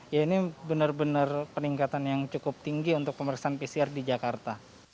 ya ini benar benar peningkatan yang cukup tinggi untuk pemeriksaan pcr di jakarta